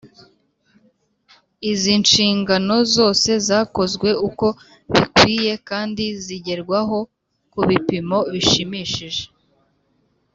izi nshingano zose zakozwe uko bikwiye kandi zigerwaho ku bipimo bishimishije.